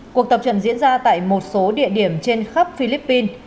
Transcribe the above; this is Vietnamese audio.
cuộc tập trận diễn ra tại một số địa điểm trên khắp philippines